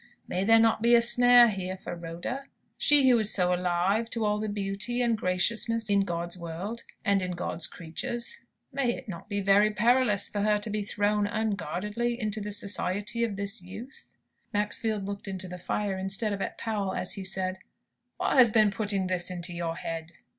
May there not be a snare here for Rhoda? She who is so alive to all beauty and graciousness in God's world, and in God's creatures may it not be very perilous for her to be thrown unguardedly into the society of this youth?" Maxfield looked into the fire instead of at Powell, as he said, "What has been putting this into your head?"